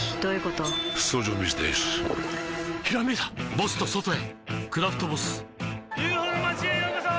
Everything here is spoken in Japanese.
ボスと外へ「クラフトボス」ＵＦＯの町へようこそ！